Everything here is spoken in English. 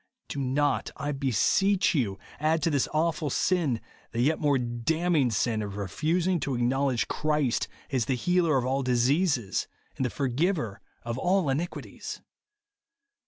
Do not, I beseech you, add to this awful sin, the yet more damning sin of refusing to ac knowledge Christ as the healer of all dis eases, and the forgiver of all iniquities.